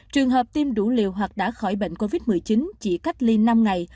trường hợp tiêm đủ liều hoặc đã khỏi bệnh covid một mươi chín chỉ cách ly năm ngày